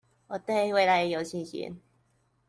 我對未來有信心